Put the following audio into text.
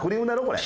これ。